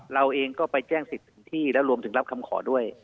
เราเองก็ไปแจ้งสิทธิ์ถึงที่แล้วรวมถึงรับคำขอด้วย